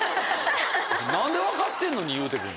何で分かってんのに言うて来るん？